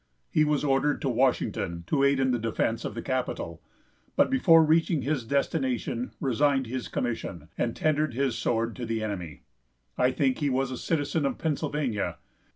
He was ordered to Washington to aid in the defense of the capital, but before reaching his destination resigned his commission, and tendered his sword to the enemy. I think he was a citizen of Pennsylvania.